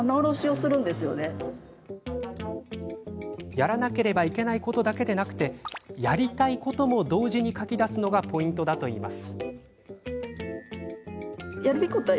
やらなければいけないことだけでなくて、やりたいことも同時に書き出すのがポイントだといいます。